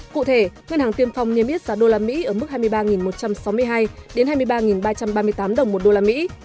cụ thể ngân hàng tiêm phong niêm yết giá đô la mỹ ở mức hai mươi ba một trăm sáu mươi hai đến hai mươi ba ba trăm ba mươi tám đồng một đô la mỹ